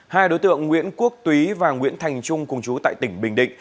hai đối tượng nguyễn quốc túy và nguyễn thành trung cùng chú tại tỉnh bình định